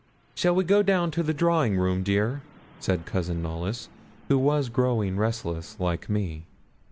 'Shall we go down to the drawing room, dear?' said Cousin Knollys, who was growing restless like me.